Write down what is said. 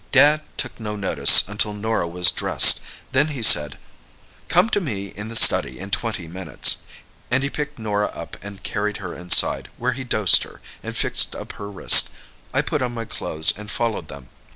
Dad took no notice until Norah was dressed. Then he said, 'Come to me in the study in twenty minutes,' and he picked Norah up and carried her inside, where he dosed her, and fixed up her wrist. I put on my clothes and followed them.